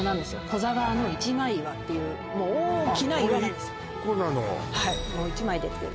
古座川の一枚岩っていうもう大きな岩なんですよ